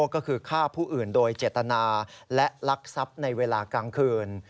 ก็คือฆ่าผู้อื่นโดยเจตนาและลักทรัพย์ในเวลากลางคืน